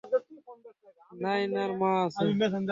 নায়নার মা আছে।